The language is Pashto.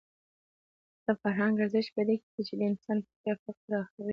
د فرهنګ ارزښت په دې کې دی چې دا د انسان فکري افق پراخوي.